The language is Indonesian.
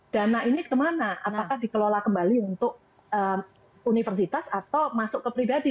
dana ini kemana apakah dikelola kembali untuk universitas atau masuk ke pribadi